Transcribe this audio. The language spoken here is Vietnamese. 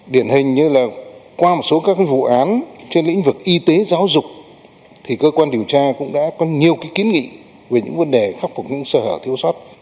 điển hình như là qua một số các vụ án trên lĩnh vực y tế giáo dục thì cơ quan điều tra cũng đã có nhiều kiến nghị về những vấn đề khắc phục những sơ hở thiếu sót